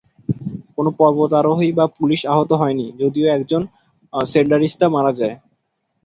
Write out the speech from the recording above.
কোন পর্বতারোহী বা পুলিশ আহত হয়নি, যদিও একজন সেন্ডারিস্তা মারা যায়।